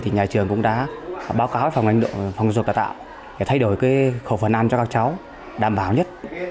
nhà trường cũng đã báo cáo phòng dục và tạo để thay đổi khẩu phần ăn cho các cháu đảm bảo nhất